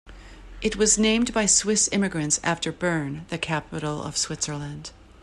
It was named by Swiss immigrants after Bern, the capital of Switzerland.